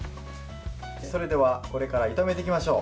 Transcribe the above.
それでは、これから炒めていきましょう。